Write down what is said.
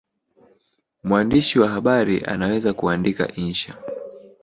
Mwandishi wa habari anaweza kuandika insha